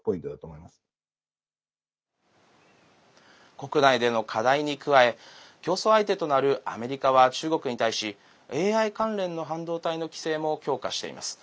国内での課題に加え競争相手となるアメリカは中国に対しＡＩ関連の半導体の規制も強化しています。